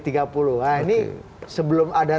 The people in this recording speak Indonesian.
nah ini sebelum ada